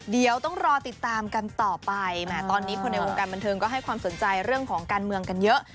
เดี๋ยวต้องรอติดตามกันต่อไปแหมตอนนี้คนในวงการบันเทิงก็ให้ความสนใจเรื่องของการเมืองกันเยอะ